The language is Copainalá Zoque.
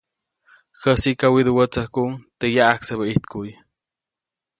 Jäsiʼka widuʼwätsäjkuʼuŋ teʼ yaʼaksebä ijtkuʼy.